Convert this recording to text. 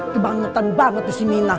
kebangetan banget si minah